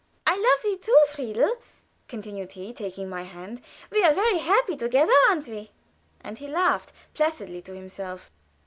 "I love thee too, Friedel," continued he, taking my hand. "We are very happy together, aren't we?" And he laughed placidly to himself.